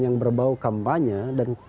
yang berbau kampanye dan